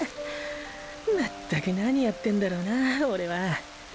まったく何やってんだろうなオレは。